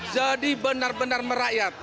jadi benar benar merakyat